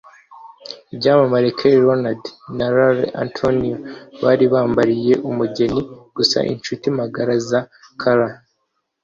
Ibyamamare Kelly Rowland na Lala Anthony bari bambariye umugeni gusa inshuti magara za Cara